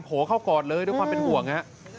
เข้ากอดเลยด้วยความเป็นห่วงฮะ